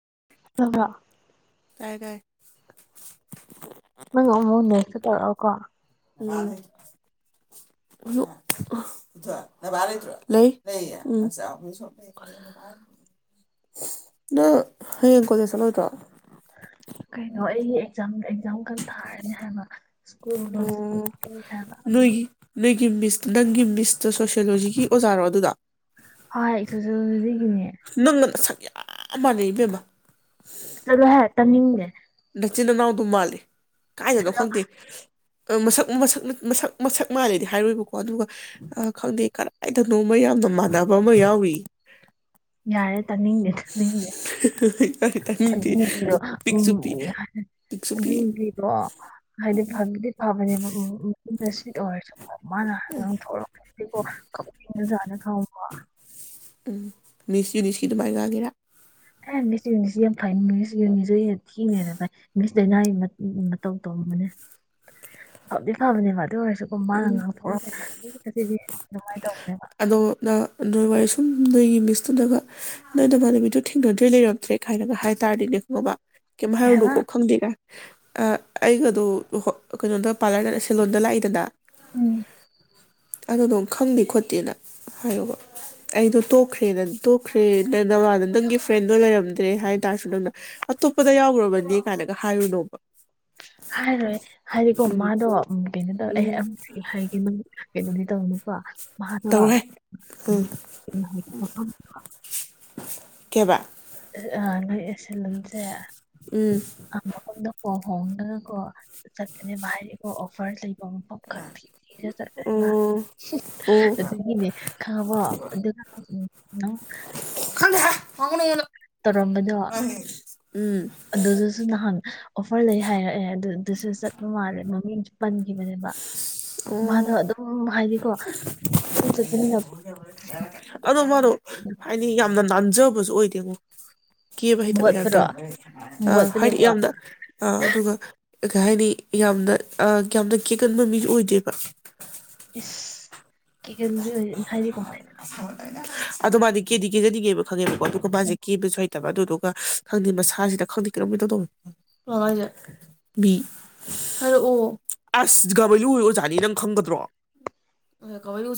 [unintelligible] ꯇꯥꯏꯑꯦ ꯇꯥꯏꯑꯦ ꯅꯪ ꯑꯃꯨꯛ ꯅꯦꯛꯁꯇ ꯇꯧꯔꯛꯑꯣꯀꯣ ꯎꯝ [unintelligible] ꯕꯥꯕꯥ ꯂꯩꯇ꯭ꯔꯣ ꯂꯩ ꯂꯩꯌꯦ [unintelligible] ꯑꯗꯣ ꯍꯌꯦꯡ ꯀꯣꯂꯦꯖ ꯆꯠꯂꯣꯏꯗ꯭ꯔꯣ ꯀꯩꯅꯣ ꯑꯩꯒꯤ ꯑꯦꯛꯖꯥꯝ ꯑꯦꯛꯖꯥꯝ ꯈꯛ ꯊꯥꯔꯅꯤ ꯍꯥꯏꯕ ꯁ꯭ꯀꯨꯜ ꯑꯣ [unintelligible] ꯍꯥꯏꯕ ꯑꯗꯨꯗꯒꯤ ꯅꯣꯏꯒꯤ ꯅꯣꯏꯒꯤ ꯃꯤꯁ ꯅꯪꯒꯤ ꯃꯤꯁꯇ ꯁꯣꯁꯤꯌꯣꯂꯣꯖꯤꯒꯤ ꯑꯣꯖꯥꯔꯣ ꯑꯗꯨꯗ ꯍꯣꯢ ꯁꯣꯁꯤꯑꯣꯂꯣꯖꯤꯒꯤ ꯅꯪꯅ [unintelligible] ꯌꯥꯝ ꯃꯥꯟꯅꯩ ꯏꯕꯦꯝꯃ ꯆꯠꯂꯣꯍꯦ ꯇꯅꯤꯡꯗꯦ ꯅꯆꯤꯟꯅꯅꯥꯎꯗꯨꯝ ꯃꯜꯂꯤ ꯀꯥꯏꯗꯅꯣ ꯆꯠꯂꯣ ꯈꯪꯗꯦ ꯑꯥ ꯃꯁꯛ ꯃꯁꯛ ꯃꯁꯛ ꯃꯁꯛ ꯃꯥꯜꯂꯦꯗꯤ ꯍꯥꯏꯔꯣꯢꯕꯀꯣ ꯑꯗꯨꯒ ꯈꯪꯗꯦꯑ ꯀꯔꯥꯏꯗꯅꯣꯃ ꯌꯥꯝꯅ ꯃꯥꯟꯅꯕ ꯑꯃ ꯌꯥꯎꯔꯤ ꯌꯥꯔꯦ ꯇꯥꯅꯤꯡꯗꯦ ꯅꯤꯡꯗꯦ ꯑꯗꯨ ꯇꯥꯅꯤꯡꯗꯦ ꯅꯄꯤꯗꯣ ꯎꯝ ꯄꯤꯛꯁꯨ ꯄꯤꯛ ꯄꯤꯛꯁꯨ ꯄꯤꯛ ꯑꯗꯨꯒꯤꯗꯣ ꯍꯥꯏꯗꯤ ꯐꯒꯤꯗꯤ ꯐꯕꯅꯦ ꯎꯝ ꯎꯝ ꯃꯇꯨꯡꯗ ꯁꯤꯠ ꯇꯧꯔꯁꯨ ꯃꯥꯅ ꯉꯥꯡ ꯊꯣꯛꯣꯔꯛꯄꯁꯤꯀꯣ ꯀꯞꯅꯤꯡꯕꯖꯥꯅꯦ ꯈꯪꯕ ꯎꯝ [unintelligible] ꯑꯗꯨꯃꯥꯏꯅ ꯉꯥꯡꯉꯤꯔꯥ ꯑꯦ ꯃꯤꯁ [unintelligible] ꯌꯥꯝ ꯐꯩ ꯃꯤꯁ [unintelligible] ꯊꯤꯅ ꯍꯦꯟꯅꯥ ꯐꯩ ꯃꯤꯁ ꯗꯩꯩꯅꯥꯒꯤ ꯃꯇꯧ ꯇꯧꯔꯨꯕꯅꯦ ꯐꯗꯤ ꯐꯕꯅꯦ ꯃꯥ ꯑꯗꯨ ꯑꯣꯏꯔꯁꯨꯀꯣ ꯃꯥꯅ ꯎꯝ ꯉꯥꯛꯊꯣꯔꯛ [unintelligible] ꯑꯗꯣ ꯅꯪ ꯑꯗꯨ ꯋꯥꯔꯤ ꯁ ꯁꯨꯝ ꯅꯣꯏꯒꯤ ꯃꯤꯁꯇꯨꯅꯒ ꯅꯣꯏ ꯅꯃꯥꯟꯅꯕꯤꯗꯣ ꯊꯦꯡꯅꯗ꯭ꯔꯦ ꯂꯩꯔꯝꯗ꯭ꯔꯦ ꯀꯥꯏꯅꯒ ꯍꯥꯏ ꯇꯥꯔꯗꯤꯅꯦ ꯈꯪꯉꯥꯕ ꯀꯩꯝ ꯀꯩ ꯍꯥꯏꯕ ꯍꯥꯏꯔꯨꯅꯨꯀꯣ ꯈꯪꯗꯦꯀꯥꯏ ꯑꯩꯒꯗꯣ ꯀꯩꯅꯣꯗ ꯄꯥꯔꯂꯔꯗ ꯁꯦꯂꯣꯟꯗ ꯂꯥꯛꯏꯗꯅ ꯎꯝ ꯑꯗꯨꯗꯣ ꯈꯪꯗꯦ ꯈꯣꯠ ꯇꯦꯅ ꯍꯥꯏꯌꯣꯕ ꯑꯩꯗꯣ ꯇꯣꯛꯈ꯭ꯔꯦ ꯅ ꯇꯣꯛꯈ꯭ꯔꯦ ꯅ [unintelligible] ꯅꯪꯒꯤ ꯐ꯭ꯔꯦꯟꯗꯣ ꯂꯩꯔꯝꯗ꯭ꯔꯦ ꯍꯥꯏ ꯇꯥꯔꯁꯨ ꯅꯪꯅ ꯑꯇꯣꯞꯄꯗ ꯌꯥꯎꯒꯔꯕꯅꯤ ꯀꯥꯏꯅꯒ ꯍꯥꯏꯔꯨꯅꯣꯕ ꯍꯥꯏꯔꯣꯏ ꯍꯥꯏꯗꯤꯀꯣ ꯎꯝ ꯃꯥꯗꯣ ꯀꯩꯅꯣ ꯎꯝ ꯇꯧꯌꯦ ꯍꯥꯏꯒꯦ ꯀꯩꯅꯣꯗꯤ ꯇꯧꯅꯨꯀꯣ ꯃꯥꯗꯣ ꯇꯧꯔꯣꯏꯍꯦ ꯎꯝ [unintelligible] ꯀꯩꯕ ꯑ ꯁꯦꯂꯨꯟꯁꯦ ꯎꯝ ꯑ ꯃꯐꯝꯗꯣ ꯍꯣꯡꯗꯅ ꯀꯣ ꯆꯠꯀꯅꯦꯕ ꯍꯥꯏꯗꯤꯀꯣ ꯑꯣꯐꯔ ꯂꯩ ꯃꯐꯝ ꯈꯛ ꯊꯤꯔ ꯆꯠꯇꯣꯏꯅꯤ ꯃꯥ ꯑꯣ ꯑꯣ ꯑꯗꯨꯒꯤꯅꯦ ꯈꯪꯉꯕꯣ ꯑꯗꯨꯅ ꯎꯝ ꯅꯪ ꯇꯧꯔꯝꯕꯗꯣ ꯎꯝ ꯑꯗꯨꯗꯨꯁꯨ ꯅꯍꯥꯟ ꯑꯣꯐꯔ ꯂꯩ ꯍꯥꯏꯔꯛꯑꯦ ꯑꯗꯨꯗꯨꯁꯨ ꯆꯠꯄ ꯃꯥꯜꯂꯦ ꯃꯃꯤꯡꯁꯨ ꯄꯟꯈꯤꯕꯅꯦꯕ ꯑꯣ ꯃꯥꯗꯣ ꯑꯗꯨꯝ ꯍꯥꯏꯗꯤꯀꯣ ꯑꯗꯨꯝ ꯆꯠꯄꯅꯤꯅ ꯑꯗꯨꯨ ꯃꯗꯣ ꯍꯥꯏꯗꯤ ꯌꯥꯝ ꯌꯥꯝꯅ ꯅꯥꯟꯖꯕꯁꯨ ꯑꯣꯏꯗꯦꯉꯣ ꯀꯦꯕ ꯍꯩꯇꯕꯩ ꯇꯏꯄ ꯃꯣꯠꯄꯔꯣ ꯇꯧꯏ ꯑꯥ ꯍꯥꯏꯗꯤ ꯃꯣꯠꯄꯅꯦꯀꯣ ꯌꯥꯝꯅ ꯑꯥ ꯑꯗꯨꯒ ꯀꯩ ꯍꯥꯏꯅꯤ ꯌꯥꯝꯅ ꯑ ꯌꯥꯝꯅ ꯀꯦꯒꯟꯕ ꯃꯤꯁꯨ ꯑꯣꯏꯗꯦꯕ ꯀꯦꯒꯜꯕꯤ ꯑꯣꯏ ꯍꯥꯏꯗꯤ ꯀꯃꯥꯏꯅ ꯑꯗꯨ ꯃꯥꯗꯤ ꯀꯦꯗꯤ ꯀꯦꯖꯅꯤꯡꯉꯦꯕ ꯈꯪꯉꯦꯕꯀꯣ ꯑꯗꯨꯒ ꯃꯥꯁꯦ ꯀꯤꯕꯁꯨ ꯍꯩꯇꯕ ꯑꯗꯨꯗꯣ ꯈꯪꯗꯦ ꯃꯁꯥꯁꯤꯗ ꯈꯪꯗꯦ ꯀꯩꯅꯣꯝ ꯏꯇꯩ ꯇꯧꯏ ꯀꯅꯥꯅꯣ ꯍꯥꯏꯁꯦ ꯃꯤ ꯍꯥꯏꯔꯛꯑꯣ ꯑꯁ [unintelligible] ꯑꯣꯖꯥꯅꯤ ꯅꯪ ꯈꯪꯒꯗ꯭ꯔꯣ [unintelligible] ꯅꯪ ꯀꯃꯥꯏꯅꯥ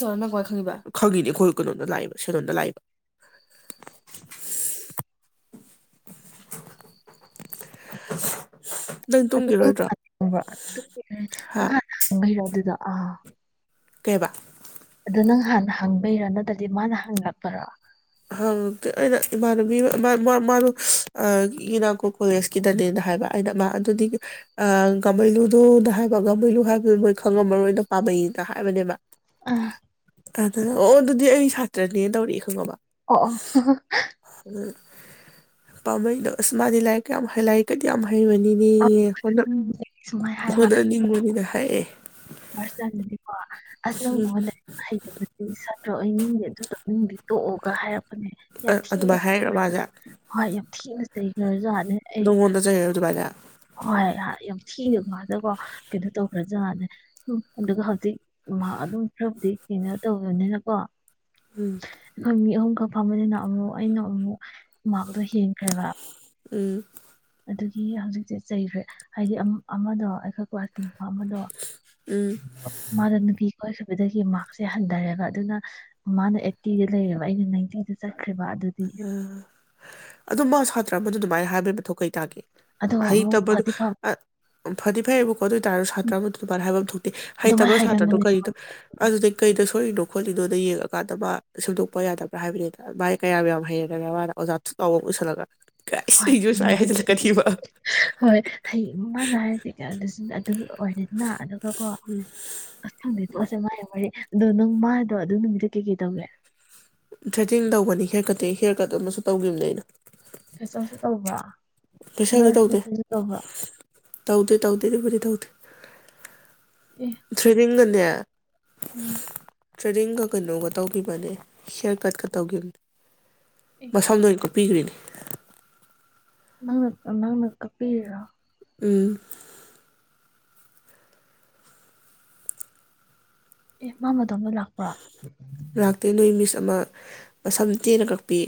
ꯈꯪꯏꯕ ꯈꯪꯉꯤꯅꯤ ꯑꯩꯈꯣꯏ ꯀꯩꯅꯣꯅ ꯂꯥꯛꯏꯕ ꯁꯗ ꯌꯣꯟꯕ ꯂꯥꯛꯑꯦꯕ [inaudible] ꯇꯨꯝꯒꯤꯔꯣꯏꯗ꯭ꯔꯣ ꯍꯥ [unintelligible] ꯑꯗꯨꯗꯣ ꯑ ꯀꯦꯕ ꯑꯗꯨ ꯅꯪ ꯍꯥꯟꯅ ꯍꯪꯕꯩꯔꯥ ꯅꯠꯇ꯭ꯔꯗꯤ ꯃꯥꯅ ꯍꯪꯉꯛꯄꯔꯣ ꯍꯪ ꯑꯩꯅ ꯏꯃꯥꯟꯅꯕꯤ ꯃꯥꯗꯣ ꯏꯅꯥꯀꯣ ꯀꯣꯂꯦꯖꯀꯤꯗꯅꯦꯅ ꯍꯥꯏꯕ ꯑꯩꯅ ꯃꯥ ꯑꯗꯨꯗꯤ ꯒꯃꯩꯂꯨꯗꯨꯅ ꯍꯥꯏꯕ ꯒꯝꯃꯩꯂꯨ ꯍꯥꯏꯕꯗꯨ ꯃꯣꯏ ꯈꯪꯉꯝꯃꯔꯣꯏ ꯑꯣꯏꯅ ꯄꯥꯝꯃꯩꯅ ꯍꯥꯏꯕꯅꯦꯕ ꯑꯥ ꯇꯥꯗ ꯑꯣ ꯑꯗꯨꯗꯤ ꯑꯩ ꯁꯥꯇ꯭ꯔꯅꯦ ꯇꯧꯔꯛꯑ ꯈꯪꯉꯥꯕꯔꯥ ꯑꯣ ꯄꯥꯝꯝꯕꯩꯩꯗꫭ ꯑꯁ ꯃꯥꯅꯤ ꯂꯥꯏꯔꯤꯛ ꯀꯥ ꯌꯥꯝ ꯍꯥꯏ ꯂꯥꯏꯔꯤꯛꯀꯩꯗꯤ ꯌꯥꯝ ꯍꯩꯕꯅꯤꯅꯦ ꯑꯣ ꯎꯝ ꯍꯣꯠꯅꯅꯤꯡꯕꯅꯤꯅ ꯍꯥꯏꯌꯦ [unintelligible] ꯑꯣ ꯎꯝ ꯑꯩꯅꯤꯡꯗꯤ ꯑꯗꯨ ꯇꯅꯤꯡꯗꯤ ꯇꯣꯛꯑꯒ ꯍꯥꯏꯔꯄ ꯌꯥꯝ ꯊꯤꯅꯦ ꯑꯗꯨꯃꯥꯏꯅ ꯍꯥꯏꯔꯛꯑꯦ ꯃꯥꯁꯦ ꯍꯣꯏ ꯌꯥꯝ ꯊꯤꯅꯦ ꯔꯁꯨ [unintelligible] ꯅꯥꯒꯣꯟꯗ ꯆꯩꯔꯤꯔꯣ ꯑꯗꯨꯃꯥꯏꯅ ꯊꯤꯔ ꯀꯥꯜꯗꯀꯣ ꯀꯩꯅꯣ ꯇꯧꯈ꯭ꯔꯖꯥꯅꯦ ꯎꯝ ꯑꯗꯨꯒ ꯍꯧꯖꯤꯛ ꯃꯍꯥꯛ ꯑꯗꯨꯝ ꯈꯔꯕꯨꯗꯤ ꯀꯩꯅꯣ ꯇꯧꯕꯅꯤꯅꯀꯣ ꯎꯝ [unintelligible] ꯑꯗꯨꯒ ꯐꯝꯕꯅꯤꯅ ꯑꯃꯨꯛ ꯑꯩꯅ ꯑꯃꯨꯛ ꯃꯥꯔꯛꯇꯣ ꯍꯦꯟꯈ꯭ꯔꯦꯕ ꯎꯝ ꯑꯗꯨꯒꯤ ꯍꯧꯖꯤꯛꯁꯦ ꯆꯩꯈ꯭ꯔꯦ ꯍꯥꯏꯗꯤ ꯑꯃꯗꯣ ꯑꯩꯈꯣꯏ ꯀ꯭ꯑꯇꯤ ꯑꯃꯗꯣ ꯎꯝ ꯃꯥꯗ ꯅꯨꯄꯤ ꯀꯣꯏꯈꯤꯕꯗꯒꯤ ꯃꯥꯔꯛꯁꯦ ꯍꯟꯊꯔꯦꯕ ꯑꯗꯨꯅ ꯃꯥꯅ ꯑꯩꯠꯇꯤꯗ ꯂꯩꯔꯦꯕ ꯑꯩꯅ ꯅꯥꯏꯟꯇꯤꯗ ꯆꯠ ꯎ ꯑꯗꯨ ꯃꯥ ꯁꯥ ꯇ꯭ꯔ ꯑꯗꯨꯃꯥꯏꯅ ꯍꯥꯏꯕꯩ ꯃꯊꯧ ꯀꯩ ꯇꯒꯦ ꯑꯗꯣ ꯑꯃꯨꯛ ꯍꯩꯇꯕꯗꯨ ꯐꯗꯤ ꯐꯕ ꯐꯗꯤ ꯐꯩꯕꯨ ꯈꯣ ꯑꯣꯏꯇꯥꯥꯔꯁꯨ ꯁꯥꯇ꯭ꯔ ꯑꯃ ꯑꯗꯨꯃꯥꯏꯅ ꯍꯥꯏꯕ ꯑꯃ ꯊꯣꯛꯇꯦ ꯍꯩꯇꯕ ꯑꯗꯨꯃꯥꯏꯅ ꯁꯥꯇ꯭ꯔꯗꯣ ꯍꯥꯏꯒꯟꯕꯅꯦꯕ ꯀꯔꯤꯅꯣ ꯑꯗꯨꯗꯩ ꯀ ꯊꯣꯏꯏꯅꯣ ꯈꯣꯠꯂꯤꯅꯣꯗ ꯌꯦꯡꯉꯀꯥꯟꯗ ꯃꯥ ꯁꯦꯝꯗꯣꯛꯄ ꯌꯥꯗꯕ꯭ꯔꯥ ꯍꯥꯏꯕꯅꯤꯗ ꯚꯥꯏ ꯀꯌꯥꯝ ꯌꯥꯝ ꯍꯩꯔꯒ ꯃꯥꯅ ꯑꯣꯖꯥ ꯊ ꯇꯥꯎꯕ ꯑꯃ ꯄꯨꯁꯜꯂꯒ ꯍꯣꯏ ꯑꯗꯨꯅꯤ ꯍꯥꯏꯁꯦ ꯍꯣꯏ ꯍꯌꯦꯡꯃꯗ ꯍꯥꯏꯔꯤꯁꯦ ꯑꯗꯨ ꯑꯣꯏꯔꯦꯗꯅ ꯑꯗꯨꯒꯀꯣ ꯑꯪꯗꯩ ꯄꯣꯠꯁꯦ ꯃꯩ ꯃ ꯑꯗꯣ ꯅꯪ ꯃꯥꯗꯣ ꯑꯗꯨ ꯅꯨꯃꯤꯠꯇ ꯀꯩꯀꯩ ꯇꯧꯒꯦ ꯊ꯭ꯔꯦꯇꯤꯡ ꯇꯧꯕꯅꯤ ꯍꯤꯌꯔ ꯀꯠꯇꯤꯡ ꯍꯤꯌꯥꯔ ꯀꯠ ꯑꯃꯁꯨ ꯇꯧꯈꯤꯕꯅꯦ ꯑꯩꯅ ꯐꯦꯁꯟꯁꯨ ꯇꯧꯕ꯭ꯔꯥ ꯐꯦꯁꯦꯜꯗꯤ ꯅꯣꯏ ꯇꯧꯗꯦ ꯐꯦꯁꯟꯁꯨ ꯇꯧꯕ꯭ꯔꯥ ꯇꯧꯗꯦ ꯑꯗꯨꯕꯨꯗꯤ ꯇꯧꯗꯦ ꯊ꯭ꯔꯤꯡ ꯗ ꯑ ꯇ꯭ꯔꯦꯗꯤꯡꯒ ꯀꯩꯅꯣꯒ ꯇꯧꯈꯤꯕꯅꯦ ꯍꯤꯌꯥꯔ ꯀꯠꯀ ꯇꯧꯈꯤꯕꯅꯦ ꯑꯦ ꯃꯁꯝꯗꯣ ꯄꯤꯒ꯭ꯔꯤꯅꯤ ꯅꯪ ꯅꯪ ꯀꯛꯄꯤꯔꯤꯔꯣ ꯎꯝ ꯑꯦ ꯃꯥ [unintelligible] ꯂꯥꯛꯄ꯭ꯔꯥ ꯂꯥꯛꯇꯦ ꯅꯣꯏ ꯃꯤꯁ ꯑꯃ ꯃꯁꯝ ꯇꯦꯟꯅ ꯀꯛꯄꯤ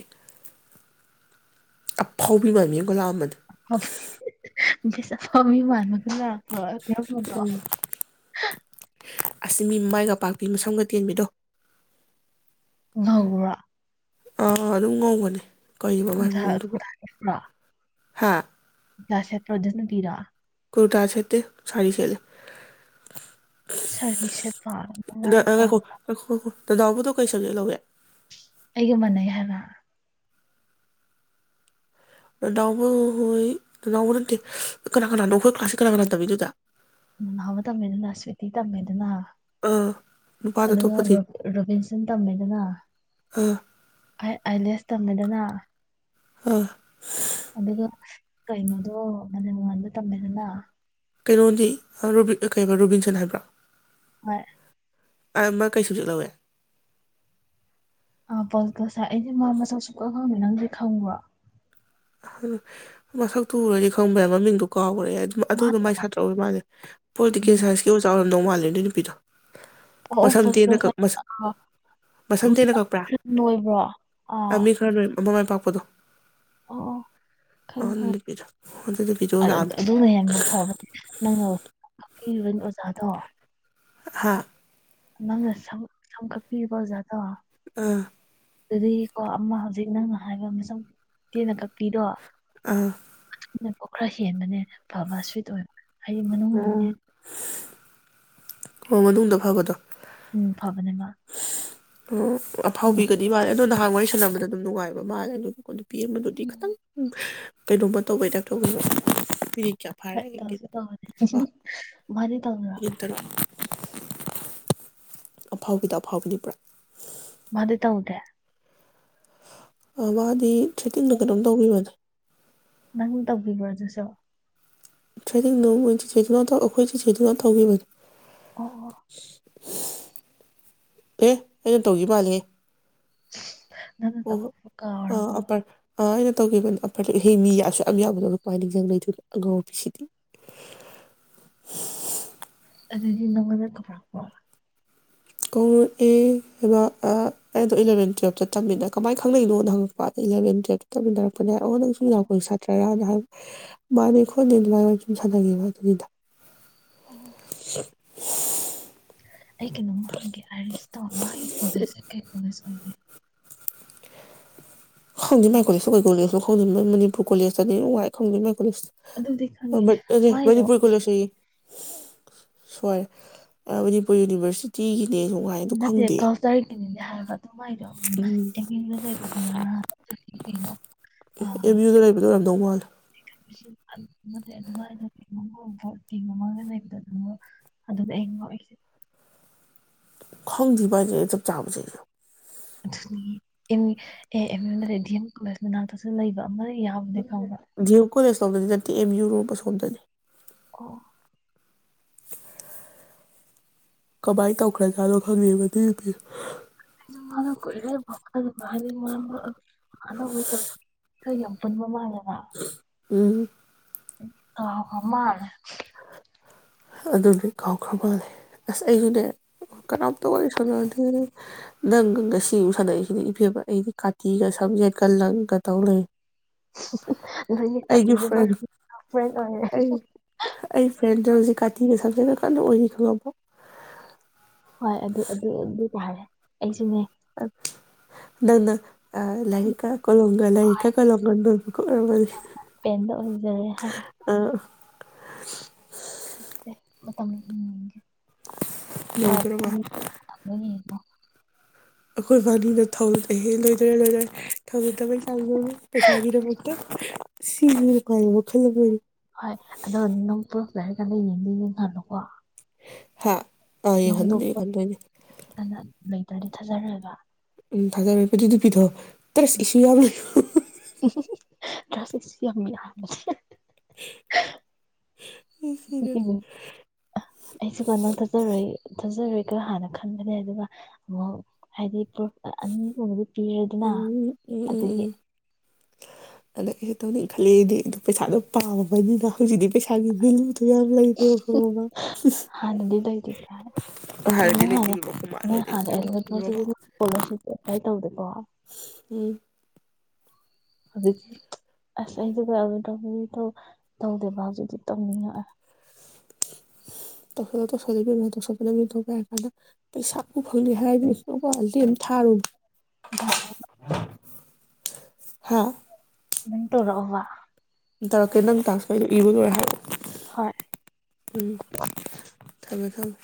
ꯑꯐꯥꯎꯕꯤ ꯃꯥꯟꯕꯤ ꯑꯃꯒ ꯂꯥꯒꯑꯝꯕꯅꯦ ꯃꯤꯁ ꯃꯐꯥꯎꯕꯤ ꯃꯥꯟꯕꯤ ꯑꯃꯒ ꯂꯥꯛꯄ꯭ꯔꯣ [inaudible] [unintelligible] ꯑꯁꯤꯁ ꯃꯤ ꯃꯃꯥꯏꯒ ꯄꯥꯛꯄꯤ ꯃꯁꯝꯒ ꯇꯦꯟꯕꯤꯗꯣ ꯉꯧꯕ꯭ꯔꯣ ꯑꯥ ꯑꯗꯨꯝ ꯉꯧꯕꯅꯤ ꯈꯨꯊ ꯈꯨꯊꯔꯛꯄ꯭ꯔꯣ ꯍꯥꯥ [unintelligible] ꯑꯗꯨ ꯅꯨꯄꯤꯗꯣ ꯀꯨꯔꯇꯥ ꯁꯦꯇꯦ ꯁꯥꯔꯤ ꯁꯦꯠꯂꯦ ꯁꯥꯔꯤ ꯁꯦꯠꯄ ꯃꯃꯥꯏ ꯄꯥꯛꯄ ꯗꯥꯎꯕꯗꯣ ꯀꯩ ꯁꯕꯖꯦꯛ ꯂꯧꯋꯦ ꯑꯩꯒ ꯃꯥꯟꯅꯩ ꯍꯥꯏꯕ ꯅꯥꯅꯥꯎꯕꯥ ꯍꯣꯏ ꯅꯥꯅꯥꯎꯕꯥ ꯅꯠꯇꯦ ꯀꯅꯥ ꯀꯅꯥꯅꯣ ꯑꯩꯈꯣꯏ ꯀ꯭ꯂꯥꯁꯀꯤ ꯀꯅꯥ ꯀꯅꯥ ꯇꯝꯃꯤꯅꯣ ꯑꯗꯨꯗ ꯅꯥꯅꯥꯎꯕꯥ ꯇꯝꯃꯦꯗꯨꯅ ꯁ꯭ꯋꯦꯇꯤ ꯇꯝꯃꯦꯗꯨꯅ ꯑꯥ ꯅꯨꯄꯥꯗꯣ ꯑꯗꯨꯒ ꯑꯇꯣꯞꯄꯗꯤ ꯔꯣꯕꯤꯟꯁꯟ ꯇꯝꯃꯦꯗꯅ ꯑꯥ ꯑꯥꯏꯂꯦꯁ ꯇꯝꯃꯦꯗꯅ ꯑ ꯑꯗꯨꯒ ꯀꯩꯅꯣꯗꯣ ꯃꯥꯂꯦꯝꯉꯜꯗꯣ ꯇꯝꯃꯦꯗꯅ ꯀꯩꯅꯣꯗꯤ ꯀꯩꯕ ꯔꯣꯕꯤꯟꯁꯟ ꯍꯥꯏꯕ꯭ꯔꯥ ꯍꯣꯏ ꯑ ꯃꯥ ꯀꯩ ꯁꯞꯖꯦꯛ ꯂꯧꯋꯦ ꯑꯥ ꯄꯣꯜꯇꯤꯀꯦꯜ ꯑꯩꯗꯤ ꯃꯥ ꯃꯁꯛ ꯁꯨꯛꯈꯪ ꯅꯪꯗꯤ ꯈꯪꯕ꯭ꯔꯣ ꯈꯪꯅꯤ ꯃꯁꯛꯇꯣ ꯑꯨꯔꯗꯤ ꯈꯪꯕ ꯌꯥꯏ ꯃꯃꯤꯡꯗꯨ ꯀꯥꯎ [unintelligible] ꯃꯥ ꯑꯗꯨꯗꯣ ꯃꯥꯏ ꯁꯥꯇ꯭ꯔꯥ ꯑꯣꯏꯕ ꯃꯥꯜꯂꯦ ꯄꯣꯂꯤꯇꯤꯀꯦꯜ ꯎꯝ ꯁꯥꯏꯁ ꯑꯣꯖꯥ ꯑꯣꯏꯔꯝꯗꯧ ꯃꯥꯜꯂꯦ ꯑꯗꯨꯏ ꯅꯨꯄꯤꯗꯣ ꯑꯣ ꯃꯁꯝ ꯇꯦꯟꯅ ꯄꯣꯜꯀꯣꯁ ꯀꯛ ꯃꯁꯝ ꯃꯁꯝ ꯇꯦꯟꯅ ꯀꯛꯄ꯭ꯔꯥ ꯅꯣꯏꯕ꯭ꯔꯣ ꯑꯥ ꯃꯤ ꯈꯔ ꯅꯣꯏ ꯃꯃꯥꯏ ꯄꯥꯛꯄꯗꯣ ꯑꯣ ꯑꯣ ꯈꯡꯉꯦ ꯑꯗꯨ ꯈꯡꯉꯦ ꯅꯨꯄꯤꯗꯣ ꯑꯗꯨ ꯅꯨꯄꯤꯗꯣ ꯂꯥꯛꯑꯝꯃꯦ ꯑꯗꯨꯅ ꯌꯥꯝꯅ ꯐꯕꯅꯦ ꯃꯣꯏ ꯅꯔ [unintelligible] ꯑꯣꯖꯥꯗꯣ ꯍꯥ ꯅꯪꯅ ꯁꯝ ꯀꯛꯄꯤꯕ ꯑꯣꯖꯥꯗꯣ ꯑꯥ ꯑꯗꯨꯗꯒꯤ ꯀꯣ ꯑꯃ ꯍꯧꯖꯤꯛ ꯅꯪꯅ ꯍꯥꯏꯕ ꯃꯁꯨꯝ ꯇꯦꯟꯅ ꯀꯛ ꯄꯤꯗꯣ ꯑꯥ ꯑꯣ ꯈꯔ ꯍꯦꯟꯕꯅꯦꯗ ꯑꯣ [unintelligible] ꯑꯣ ꯃꯅꯨꯡꯗ ꯐꯕꯗꯣ ꯎꯝ ꯐꯕꯅꯦ ꯃ [unintelligible] ꯑꯐꯥꯎꯕꯤꯒꯗꯤ ꯃꯥꯂꯦ ꯑꯗꯣ ꯅꯍꯥꯟ ꯋꯥꯔꯤ ꯁꯥꯟꯅꯕꯗ ꯑꯗꯨꯝ ꯅꯨꯡꯉꯥꯏꯕ ꯃꯥꯜꯂꯦ ꯑꯗꯨꯝ [unintelligible] ꯗꯨꯗꯤ ꯈꯤꯇꯪ ꯎꯝ ꯎꯪ ꯀꯩꯅꯣꯃ ꯇꯧꯕꯩ ꯇꯥꯢꯞ ꯇꯧ [unintelligible] ꯍꯣꯏ ꯇꯧꯁꯦ ꯇꯧꯕꯅꯦ ꯃꯥꯗꯤ ꯇꯧꯕ꯭ꯔꯣ ꯃꯤꯅꯤꯠ ꯇꯔꯨꯛ ꯑꯐꯥꯎꯕꯤꯗ ꯑꯐꯥꯎꯕꯤꯅꯤ ꯄꯨ꯭ꯔꯥ ꯃꯗꯤ ꯇꯧꯗꯦ꯫ ꯃꯥꯗꯤ [unintelligible] ꯀꯩꯅꯣꯝ ꯇꯧꯈꯤꯕꯅꯦ ꯅꯪ ꯇꯧꯕꯤꯕ꯭ꯔ ꯑꯗꯨꯁ [unintelligible] ꯑꯩꯈꯣꯏ ꯆꯤꯆꯦꯗꯨꯅ ꯇꯧꯒꯤꯕꯅꯤ ꯑꯣ ꯑꯣ꯫ ꯑꯦ ꯑꯩꯅ ꯇꯧꯒꯤ ꯃꯥꯜꯂꯦꯍꯦ꯫ [unintelligible] ꯑꯣ ꯀꯥꯎꯔꯕꯣ ꯑ ꯑ ꯑꯩꯅ ꯇꯧꯈꯤꯕꯅꯦ [unintelligible] ꯑꯉꯥꯎꯕꯤꯁꯤꯗꯤ ꯑꯗꯨꯗꯤ ꯅꯪꯉꯣꯟꯗ ꯀꯧꯔꯛꯄ꯭ꯔꯣ꯫ ꯀꯧꯔꯛꯑꯦ ꯍꯥꯏꯕ ꯑꯥ ꯑꯩꯗꯣ ꯏꯂꯚꯦꯟ ꯇꯨꯌꯦꯜꯞꯇ ꯇꯝꯃꯤꯟꯅ ꯀꯃꯥꯏꯅ ꯈꯪꯅꯩꯅꯣꯅ ꯍꯪꯉꯛꯄ ꯏꯂꯚꯦꯟ ꯇꯨꯌꯦꯞꯇ ꯇꯝꯃꯤꯟ ꯑꯣ ꯅꯪꯁꯨ ꯌꯨꯅꯥꯀꯣ ꯁꯥꯇ꯭ꯔꯥꯔ ꯃꯥꯅꯦ ꯈꯣꯠꯅꯤ ꯑꯗꯨꯃꯥꯢ ꯁꯨꯝ ꯁꯥꯟꯅꯩꯌꯦ [unintelligible] ꯑꯣ꯫ ꯑꯩ ꯀꯩꯅꯣꯃ ꯍꯪꯒꯦ ꯑꯥꯏꯔꯤꯁꯇꯣ ꯃꯥꯒꯤ ꯀꯣꯂꯦꯖ ꯁꯦ ꯀꯩ ꯀꯣꯂꯦꯖ ꯑꯣꯏꯒꯦ꯫ ꯈꯪꯗꯦ ꯃꯥꯏ ꯀꯣꯂꯦꯖ ꯇꯣ ꯀꯩ ꯀꯣꯂꯦꯖ ꯗꯣ ꯈꯡꯗꯦ ꯃꯅꯤꯄꯨꯔ ꯀꯣꯂꯦꯖꯇꯅꯤ ꯑꯗꯨꯗꯤ ꯈꯪꯉꯦ [unintelligible] ꯃꯥꯏꯗꯣ ꯃꯅꯤꯄꯨꯔ ꯀꯣꯂꯦꯖ ꯑꯌꯦ ꯍꯣꯏ ꯃꯅꯤꯄꯨꯔ ꯌꯨꯅꯤꯚꯔꯁꯤꯇꯤꯒꯤ [unintelligible] ꯅꯨꯡꯉꯥꯏ ꯑꯗꯣ ꯈꯪꯗꯦ ꯅꯤ ꯍꯥꯏꯕ ꯑꯗꯨꯃꯥꯏꯗꯣ ꯎꯝ ꯇꯃꯤꯡꯕ ꯂꯩꯕꯗꯨ ꯀꯩꯅꯣ ꯑ ꯑꯦꯝ ꯌꯨꯗ ꯂꯩꯕꯗꯣ ꯑꯣꯏꯔꯝꯗꯧ ꯃꯥꯜꯂꯦ ꯑꯗꯨꯃꯥꯏꯅ ꯏꯃꯨꯡꯒꯨꯝꯕ ꯇꯤ ꯃꯃꯥꯡꯒ ꯂꯩꯕꯗ ꯑꯗꯨꯅ ꯑꯗꯨꯗ ꯑꯩꯅ ꯉꯥꯛꯏꯁꯦ ꯈꯪꯗꯦꯕ ꯍꯥꯏꯁꯦ ꯑꯩ ꯆꯞ ꯆꯥꯕꯁꯦ ꯑꯩꯁꯨ ꯑꯗꯨꯅꯤ ꯑꯦ ꯑꯦꯝ ꯌꯨꯅꯦꯗꯤ ꯗꯤ ꯑꯦꯝ ꯀꯣꯂꯦꯖ ꯃꯅꯥꯛꯇꯁꯨ ꯂꯩꯕ ꯑꯃ ꯌꯥꯕꯅꯦ ꯗꯤ ꯑꯦꯝ ꯀꯣꯂꯦꯖ ꯂꯣꯝꯗꯗꯤ ꯅꯠ ꯑꯦꯝ ꯌꯨ ꯔꯣꯝ ꯑꯁꯣꯝꯗꯅꯤ ꯑꯣ ꯀꯃꯥꯏꯅ ꯇꯧꯈ꯭ꯔꯖꯥꯠꯅꯣ ꯈꯪꯉꯦꯕ ꯑꯗꯨꯏ ꯅꯨꯄꯤꯗꯣ ꯃꯥꯅ ꯀꯨꯏꯔꯦ [unintelligible] ꯎꯝ ꯑ ꯃꯥ ꯑꯗꯨꯅꯦ ꯀꯥꯎꯈ꯭ꯔ ꯃꯥꯜꯂꯦ ꯑꯁ ꯑꯩꯁꯨꯅꯦ ꯀꯅꯥꯝꯇ ꯋꯥꯔꯤ ꯁꯥꯟꯅꯔꯗꯤ ꯅꯪꯒꯒ ꯁꯤ ꯑꯃꯨꯛ ꯁꯥꯟꯅꯏꯁꯤꯅꯦ ꯏꯐꯦꯕ ꯑꯩꯗꯤ ꯀꯥꯇꯤꯒ ꯁꯝꯖꯦꯠꯀ ꯂꯪꯒ ꯇꯧꯂꯩ ꯐ꯭ꯔꯦꯟ ꯑꯩ [unintelligible] ꯁꯝꯖꯦꯛꯅ ꯀꯟꯅ ꯑꯣꯏꯔꯤ ꯈꯪꯉꯕꯣ ꯍꯣꯏ ꯑꯗꯨ ꯑꯗꯨ ꯑꯗꯨ ꯇꯥꯔꯦ ꯑꯩꯁꯨꯅꯦ ꯅꯪꯅ ꯑ ꯂꯔꯤꯛꯀ ꯀꫭꯂꯣꯝꯒꯅ ꯂꯥꯏꯔꯤꯛꯀ ꯀꫭꯂꯣꯝꯒ ꯅꯣꯠꯕꯨꯛꯀ ꯑꯣꯏꯔꯝꯒꯅꯤ ꯄꯦꯟꯗ ꯑꯣꯏꯖꯔꯦ ꯍꯥ ꯑꯥ [unintelligible] ꯎꯝ ꯂꯣꯏꯗꯣꯔꯕ ꯥ [unintelligible] ꯑꯩꯈꯣꯏꯕꯥꯅꯤꯗ ꯊꯧ ꯂꯩꯍꯦ ꯂꯣꯏꯗꯔꯦ ꯂꯤꯏꯗꯔꯦ ꯊꯧ ꯂꯩꯇꯕꯩ ꯆꯥꯡꯁꯦ ꯌꯦꯡꯉꯨꯅꯦ ꯄꯩꯁꯥꯒꯤ ꯗꯃꯛꯇ ꯁꯤꯁꯨꯀꯥꯏ ꯋꯥ ꯈꯜꯂ ꯑꯣꯏ ꯍꯣꯏ ꯑꯗꯣ ꯅꯝ [unintelligible] ꯍꯥꯥ ꯑꫭ ꯌꯦꯡꯍꯟꯗꯣꯏꯅꯦ ꯌꯦꯡꯍꯟꯗꯣꯏꯅꯦ ꯄꯨꯂꯞꯀꯥꯟꯗ ꯂꯩꯇ꯭ꯔꯗꯤ ꯊꯥꯖꯔꯦꯕ ꯎꯝ ꯊꯥꯖꯔꯣꯏ ꯑꯗꯨꯅꯨꯄꯤꯗꯣ ꯇꯔꯁ ꯏꯁꯨ ꯌꯥꯎꯂꯩ [unintelligible] [unintelligible] [unintelligible] ꯑꯩꯁꯤꯀꯣ ꯅꯪ ꯊꯥꯖꯔꯣꯏ ꯊꯥꯖꯔ ꯍꯥꯟꯅ ꯈꯟꯕꯅꯦ ꯑꯗꯨꯒ ꯑꯃꯨꯛ ꯍꯥꯏꯗꯤ ꯄ꯭ꯔꯨꯞ ꯑꯅꯤꯒꯨꯝ ꯎꯝ ꯎꯝ ꯎꯝ ꯎꯝ ꯑꯗ ꯑꯩꯁꯨꯦ ꯇꯧꯅꯤ ꯈꯜꯂꯗꯤ ꯑꯗꯨ ꯄꯩꯁꯥꯗꯣ ꯄꯥꯝꯃꯕꯅꯤꯅ ꯍꯧꯖꯤꯛꯇꯤ ꯄꯩꯁꯥꯒꯤ ꯚꯦꯂꯨꯗ ꯌꯥꯝ ꯂꯩꯇꯦ ꯋꯥꯈꯪ ꯍꯥꯟꯅꯗꯤ ꯂꯩꯇꯦ ꯀꯥꯏ ꯑꯦ ꯅꯪ ꯍꯥꯟꯅ ꯅꯪ ꯍꯥꯟꯅ ꯑꯦꯂꯚꯦꯟ ꯇꯨꯋꯦꯜꯞꯇꯗꯤ ꯅꯪ ꯏꯁꯀꯣꯂꯔꯁꯤꯞꯇꯤ ꯑꯦꯄ꯭ꯂꯥꯏ ꯇꯧꯗꯦꯀꯣ [unintelligible] ꯎꯝ ꯍꯧꯖꯤꯛꯇꯤ ꯑꯁ [inaudible] ꯇꯧꯗꯦꯕ ꯍꯧꯖꯤꯛꯇꯤ ꯇꯧꯅꯤꯡꯉꯛꯑꯦ ꯇꯩꯁꯜꯂꯨ ꯇꯧꯁꯣꯂꯨ ꯏꯕꯦꯝꯃ ꯇꯣ ꯄꯥꯅꯥ ꯄꯅꯥ ꯃꯤ ꯇꯧ ꯄ ꯍꯥꯏꯔ ꯀꯥꯟꯗ ꯄꯩꯁꯥꯕꯨ ꯐꯪꯅꯦ ꯍꯥꯏꯔꯗꯤꯅꯦ ꯂꯦꯝꯅ ꯊꯥꯔꯨꯅꯨ [inaudible] ꯚꯥꯏ ꯍꯥꯥ [inaudible] ꯂꯤꯡꯛ ꯇꯧꯔꯛꯑꯣꯕ ꯇꯧꯔꯛꯀꯦ ꯅꯪ ꯇꯥꯛꯁꯀꯩꯗꯣ ꯏꯕ ꯂꯣꯏꯔ ꯍꯥꯏꯔꯛꯑꯣ ꯍꯣꯏ ꯎꯝ ꯎꯝ ꯊꯝꯃꯦ ꯊꯝꯃꯦ